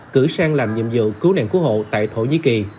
cử sang làm nhiệm vụ cứu nạn cứu hộ tại thổ nhĩ kỳ